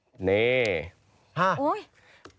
ตกแต่งรึเปล่า